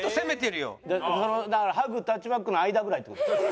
だからハグ立ちバックの間ぐらいって事？